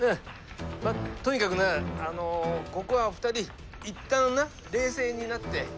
まあとにかくなあのここは２人いったんな冷静になって。